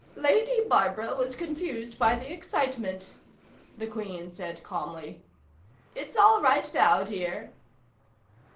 "Lady Barbara was confused by the excitement," the Queen said calmly. "It's all right now, dear."